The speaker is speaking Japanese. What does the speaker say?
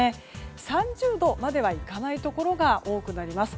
３０度まではいかないところが多くなります。